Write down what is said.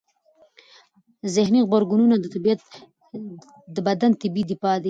ذهني غبرګونونه د بدن طبیعي دفاع دی.